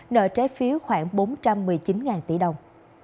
nợ trái phiếu khoảng bốn trăm một mươi chín tỷ đồng